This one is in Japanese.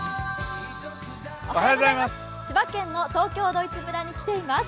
千葉県の東京ドイツ村に来ています。